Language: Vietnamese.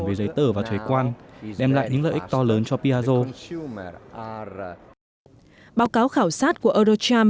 về giấy tờ và thời quan đem lại những lợi ích to lớn cho piaggio báo cáo khảo sát của eurocharm